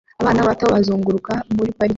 Abana bato bazunguruka muri parike